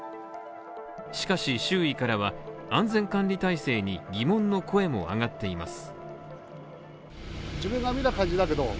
しかし周囲からは安全管理体制に疑問の声も上がっています。